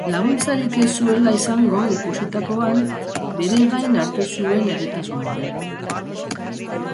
Laguntzarik ez zuela izango ikusitakoan bere gain hartu zuen egitasmoa.